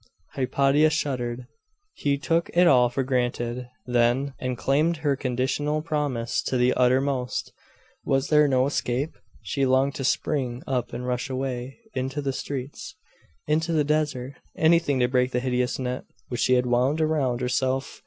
Hypatia shuddered. He took it all for granted, then and claimed her conditional promise to the uttermost. Was there no escape? She longed to spring up and rush away, into the streets, into the desert anything to break the hideous net which she had wound around herself.